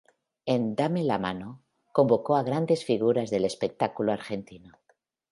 En "Dame la Mano" convocó a grandes figuras del espectáculo argentino.